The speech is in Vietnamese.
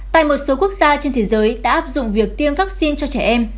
tại một số quốc gia trên thế giới đã áp dụng việc tiêm vaccine cho trẻ em